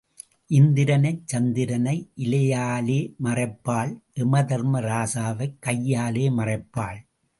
இந்திரனைச் சந்திரனை இலையாலே மறைப்பாள் எமதர்ம ராசாவைக் கையாலே மறைப்பாள்.